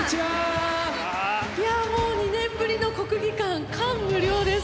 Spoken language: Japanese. いやもう２年ぶりの国技館感無量です！